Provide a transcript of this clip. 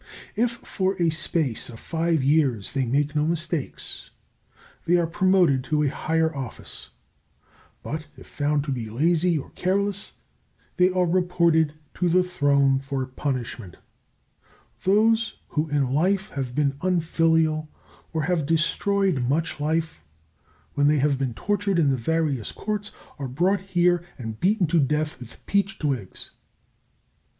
If for a space of five years they make no mistakes they are promoted to a higher office; but if found to be lazy or careless they are reported to the Throne for punishment. Those who in life have been unfilial or have destroyed much life, when they have been tortured in the various Courts are brought here and beaten to death with peach twigs.